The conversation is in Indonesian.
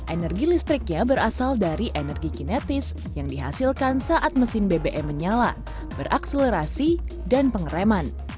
energi listriknya berasal dari energi kinetis yang dihasilkan saat mesin bbm menyala berakselerasi dan pengereman